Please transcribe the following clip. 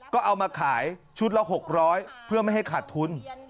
ก็เอามาขายชุดละ๖๐๐เพื่อไม่ให้ขาดทุน